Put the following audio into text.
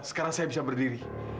sekarang saya bisa berdiri